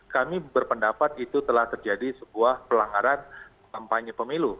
kami berpendapat itu telah terjadi sebuah pelanggaran kampanye pemilu